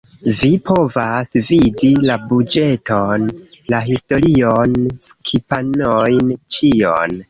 Vi povas vidi la buĝeton, la historion, skipanojn, ĉion